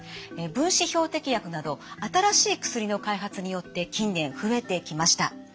分子標的薬など新しい薬の開発によって近年増えてきました。